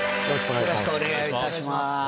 よろしくお願いします。